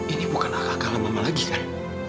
ini bukan akal mama lagi kan